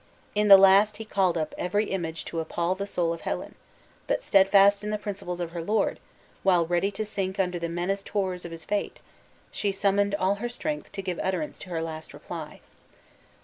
In the last he called up every image to appall the soul of Helen; but, steadfast in the principles of her lord, while ready to sink under the menaced horrors of his fate, she summoned all her strength to give utterance to her last reply.